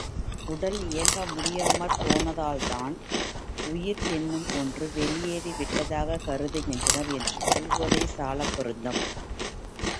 உடல் இயங்க முடியாமற் போனதால்தான், உயிர் என்னும் ஒன்று வெளியேறி விட்டதாகக் கருதுகின்றனர் என்று கூறுவதே சாலப் பொருந்தும்.